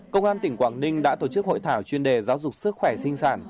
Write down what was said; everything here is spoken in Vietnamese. công an tỉnh quảng ninh đã tổ chức hội thảo chuyên đề giáo dục sức khỏe sinh sản